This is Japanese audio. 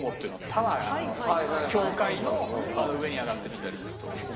タワーが教会の上に上がってみたりすると面白い。